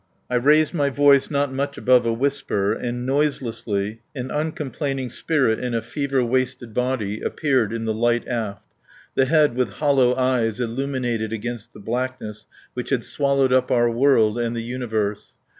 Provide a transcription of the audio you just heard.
I raised my voice not much above a whisper, and, noiselessly, an uncomplaining spirit in a fever wasted body appeared in the light aft, the head with hollow eyes illuminated against the blackness which had swallowed up our world and the universe.